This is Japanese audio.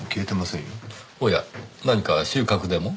おや何か収穫でも？